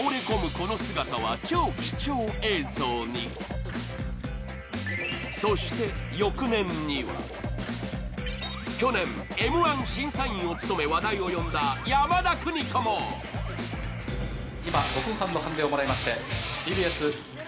この姿は超貴重映像にそして翌年には去年Ｍ−１審査員を務め話題を呼んだ山田邦子も今５分半のハンデをもらいましてＴＢＳＧ